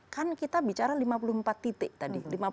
kan kita bicara lima puluh empat titik tadi